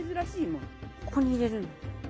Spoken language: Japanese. ここに入れるんだ。